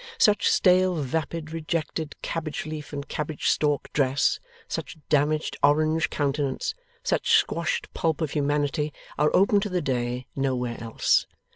Such stale vapid rejected cabbage leaf and cabbage stalk dress, such damaged orange countenance, such squashed pulp of humanity, are open to the day nowhere else.